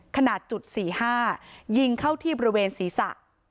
ขนาดจุดสี่ห้ายิงเข้าที่บริเวณศรีษะ